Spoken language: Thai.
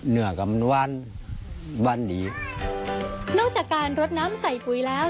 นอกจากการรดน้ำใส่ปุ๋ยแล้ว